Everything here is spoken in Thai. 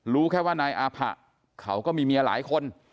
รู้แค่ว่านายอาผะเขาก็มีเมียหลายคน